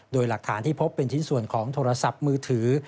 โดยหลักฐานที่พบเป็นชิ้นส่วนของโทรศัพท์มือถือ